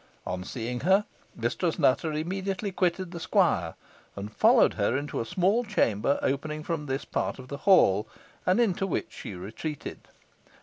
On seeing her, Mistress Nutter immediately quitted the squire, and followed her into a small chamber opening from this part of the hall, and into which she retreated.